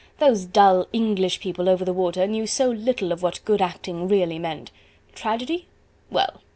Those dull English people over the water knew so little of what good acting really meant. Tragedy? Well!